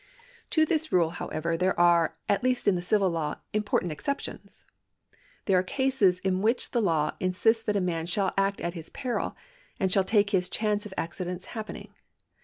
To this rule, however, there are, at least in the civil law, important exceptions. These are cases in which the law insists that a man shall act at his peril, and shall take his chance of accidents happening.